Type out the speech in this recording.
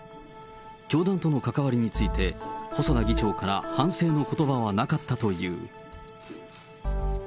教団との関わりについて、細田議長から反省のことばはなかったという。